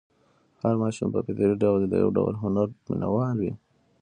هر ماشوم په فطري ډول د یو ډول هنر مینه وال وي.